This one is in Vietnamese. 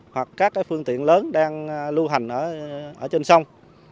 hoặc các phương tiện lớn đang lưu hành ở trên sông